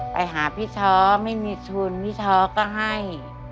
ไปหาพี่ช้อไม่มีทุนพี่ท้อก็ให้